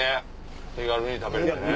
手軽に食べれてね。